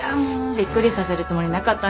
びっくりさせるつもりなかったんですけど。